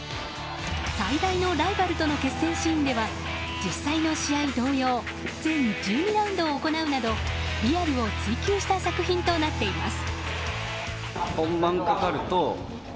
最大のライバルとの決戦シーンでは実際の試合同様全１２ラウンドを行うなどリアルを追求した作品となっています。